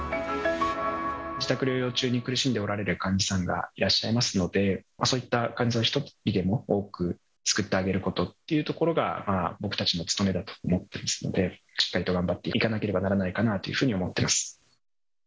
自宅療養中に苦しんでおられる患者さんがいらっしゃいますので、そういった患者さんを一人でも多く救ってあげることというところが、僕たちの務めだと思ってますので、しっかりと頑張っていかなければならないかなぁというふうに思ってます。